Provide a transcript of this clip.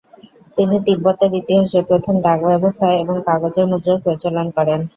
তিনি তিব্বতের ইতিহাসে প্রথম ডাকব্যবস্থা এবং কাগজের মুদ্রার প্রচলন করেন।